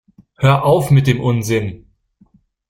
Hör auf mit dem Unsinn!